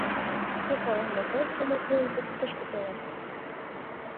Кӧ пала, могай сомыл дене тудо тышке толын?